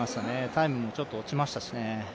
タイムも少し落ちましたし。